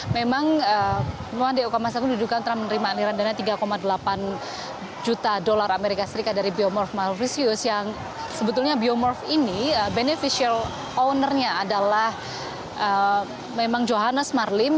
memang nuan deoka masal diduga telah menerima aliran dana tiga delapan juta dolar as dari biomorph milvius yang sebetulnya biomorph ini beneficial ownernya adalah memang johannes marlim